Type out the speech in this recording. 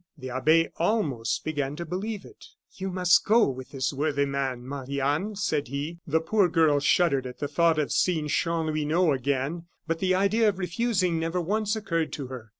The abbe almost began to believe it. "You must go with this worthy man, Marie Anne," said he. The poor girl shuddered at the thought of seeing Chanlouineau again, but the idea of refusing never once occurred to her.